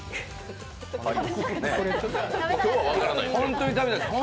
今日は分からないですよ。